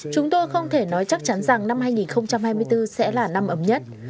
chúng tôi không thể nói chắc chắn rằng năm hai nghìn hai mươi bốn sẽ là năm ấm nhất